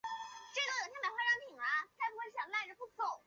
海南当地发布了寒冷三级警报。